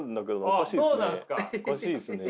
おかしいですね。